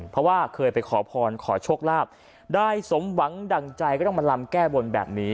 เพราะว่าเคยไปขอพรขอโชคลาภได้สมหวังดั่งใจก็ต้องมาลำแก้บนแบบนี้